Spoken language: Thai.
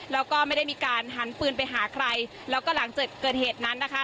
แล้วก็ไม่ได้มีการหันปืนไปหาใครแล้วก็หลังจากเกิดเหตุนั้นนะคะ